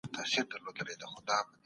لاسي کار د انسان ذهن روښانه کوي.